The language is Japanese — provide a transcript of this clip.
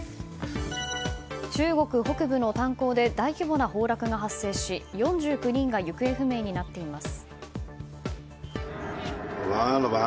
中国北部の炭鉱で大規模な崩落が発生し４９人が行方不明になっています。